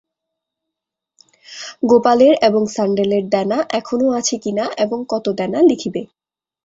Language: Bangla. গোপালের এবং সাণ্ডেলের দেনা এখনও আছে কিনা এবং কত দেনা লিখিবে।